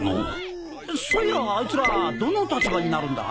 そういやあいつらどの立場になるんだ？